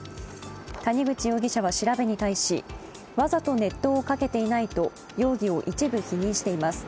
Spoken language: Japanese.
谷口容疑者は調べに対し、わざと熱湯をかけていないと容疑を一部否認しています。